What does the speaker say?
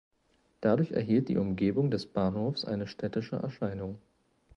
Dadurch erhielt die Umgebung des Bahnhofs eine städtische Erscheinung.